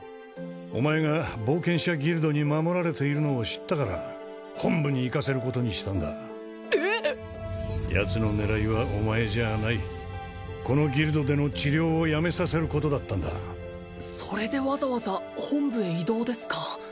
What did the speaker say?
お前が冒険者ギルドに守られているのを知ったから本部に行かせることにしたんだえっ！？ヤツの狙いはお前じゃないこのギルドでの治療をやめさせることだったんだそれでわざわざ本部へ異動ですか？